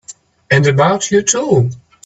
And about you too!